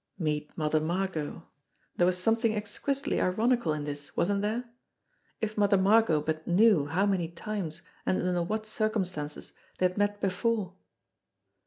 Meet Mother Margot ! There was something exquisitely ironical in this, wasn't there? If Mother Margot but knew how many times and under what circumstances they had met before!